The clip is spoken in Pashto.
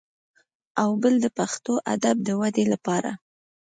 او بل د پښتو ادب د ودې لپاره